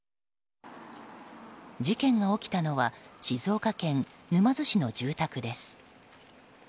事件が起きたのは静岡県沼津市の住宅です。